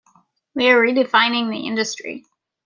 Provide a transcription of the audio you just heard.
We are redefining the industry.